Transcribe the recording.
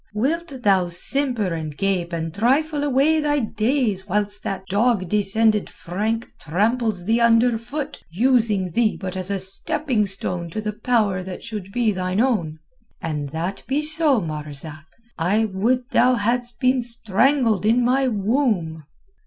Wilt thou simper and gape and trifle away thy days whilst that dog descended Frank tramples thee underfoot, using thee but as a stepping stone to the power that should be thine own? And that be so, Marzak, I would thou hadst been strangled in my womb."